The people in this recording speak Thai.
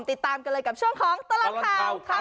ติดตามกันเลยกับช่วงของตลอดข่าว